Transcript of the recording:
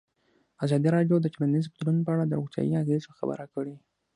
ازادي راډیو د ټولنیز بدلون په اړه د روغتیایي اغېزو خبره کړې.